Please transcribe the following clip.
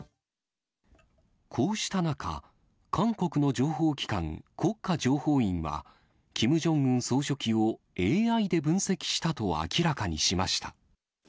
こうした中、韓国の情報機関、国家情報院は、キム・ジョンウン総書記をＡＩで分析したと明らかにしました。